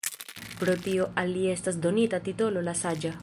Pro tio al li estis donita titolo «la Saĝa».